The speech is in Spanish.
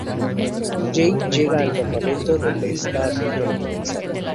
Jake llega al campeonato donde está a punto de comenzar.